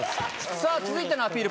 さぁ続いてのアピール